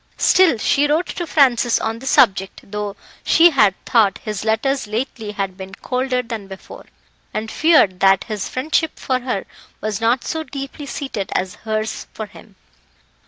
Still she wrote to Francis on the subject, though she had thought his letters lately had been colder than before, and feared that his friendship for her was not so deeply seated as hers for him.